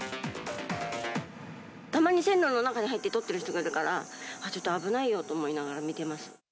たまに線路の中に入って撮っている人がいるから、ああ、ちょっと危ないよと思いながら見てます。